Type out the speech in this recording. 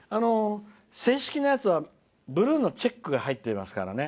正式なやつはブルーのチェックが入ってますからね。